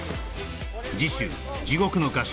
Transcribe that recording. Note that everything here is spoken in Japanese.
次週「地獄の合宿」